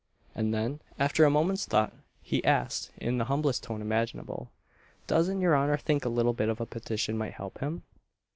and then, after a moment's thought, he asked, in the humblest tone imaginable, "Doesn't your honour think a little bit of a petition might help him?"